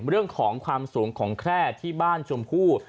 เรื่องของความสูงของแคร่ที่บ้านชมพู่